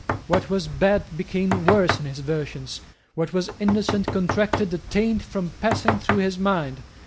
What was bad became worse in his versions. What was innocent contracted a taint from passing through his mind.